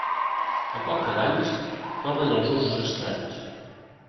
A còpia d'anys tornen els usos estranys.